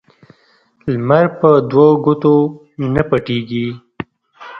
لمرپه دوو ګوتو نه پټيږي